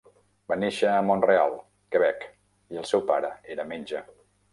Va néixer a Mont-real, Quebec, i el seu pare era metge.